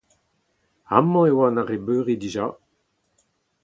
Amañ e oa an arrebeuri dija.